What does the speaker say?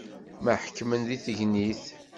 Ad ḥekmen deg tegnit.